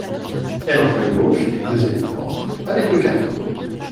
Elle entre à gauche, deuxième porte, avec le carton.